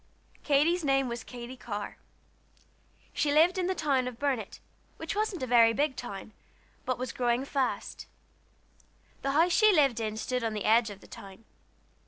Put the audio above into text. Katy's name was Katy Carr. She lived in the town of Burnet, which wasn't a very big town, but was growing as fast as it knew how. The house she lived in stood on the edge of the town.